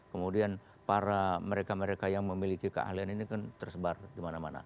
kemudian para mereka mereka yang memiliki keahlian ini kan tersebar di mana mana